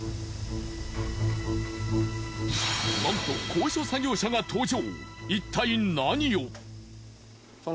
なんと高所作業車が登場。